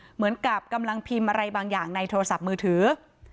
เหมือนกับกำลังพิมพ์อะไรบางอย่างในโทรศัพท์มือถือ